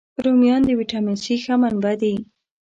رومیان د ویټامین C ښه منبع دي